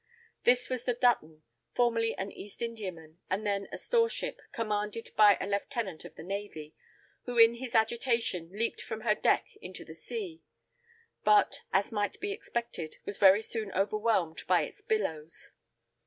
This was the Dutton, formerly an East Indiaman, and then a store ship, commanded by a lieutenant of the navy, who in his agitation, leaped from her deck into the sea; but, as might be expected, was very soon overwhelmed by its billows.